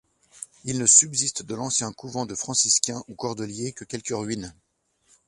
Il ne subsiste de l'ancien couvent de franciscains ou cordeliers que quelques ruines.